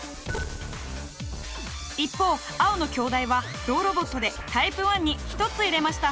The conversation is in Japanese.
一方青の京大はゾウロボットでタイプ１に１つ入れました。